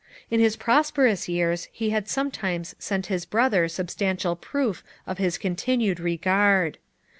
In his prosperous years he had sometimes sent his brother substantial proof of his continued re gard.